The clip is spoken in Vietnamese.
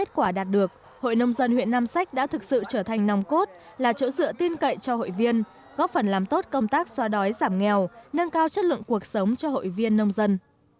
tỉnh hà nam đã thực sự trở thành nông cốt là chỗ dựa tin cậy cho hội viên góp phần làm tốt công tác xóa đói giảm nghèo nâng cao chất lượng cuộc sống cho hội viên nông dân